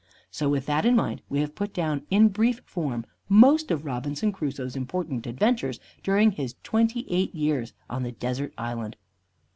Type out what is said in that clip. So with that in mind we have put down in brief form most of Robinson Crusoe's important adventures during his twenty eight years on the desert island.